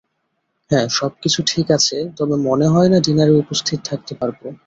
হ্যাঁ সবকিছু ঠিক আছে তবে মনে হয়না ডিনারে উপস্থিত থাকতে পারব।